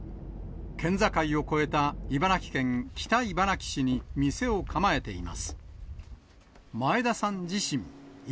県境を越えた茨城県北茨城市に店を構えています。